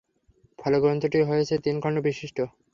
ফলে গ্রন্থটি হয়েছে তিনখণ্ড বিশিষ্ট।